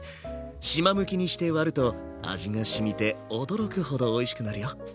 しまむきにして割ると味がしみて驚くほどおいしくなるよ。